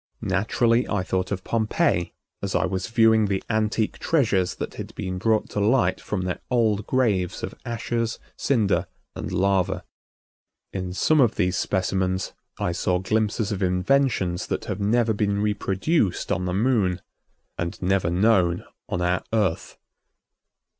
Naturally I thought of Pompeii as I was viewing the antique treasures that had been brought to light from their old graves of ashes, cinder and lava. In some of these specimens I saw glimpses of inventions that have never been reproduced on the Moon and never known on our Earth.